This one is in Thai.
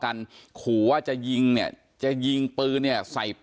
ก็กูยิงปากมึงเอง